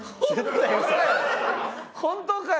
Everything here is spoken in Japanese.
本当かよ？